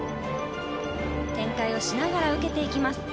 転回をしながら受けていきます。